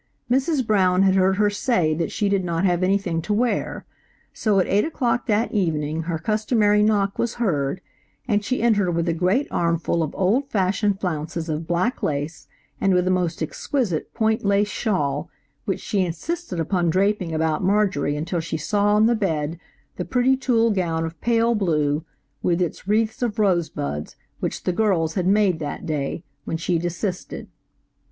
Mrs. Brown had heard her say that she did not have anything to wear, so at eight o'clock that evening her customary knock was heard and she entered with a great armful of old fashioned flounces of black lace and with a most exquisite point lace shawl, which she insisted upon draping about Marjorie until she saw on the bed the pretty tulle gown of pale blue, with its wreaths of rosebuds, which the girls had made that day, when she desisted.